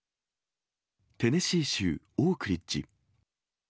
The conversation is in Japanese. テネシー州オークリッジ。